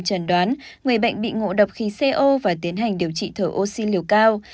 trần đoán người bệnh bị ngộ độc khí co và tiến hành điều trị thở oxy liều cao